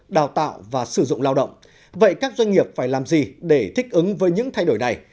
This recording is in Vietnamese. đào tạo và sử dụng lao động vậy các doanh nghiệp phải làm gì để thích ứng với những thay đổi này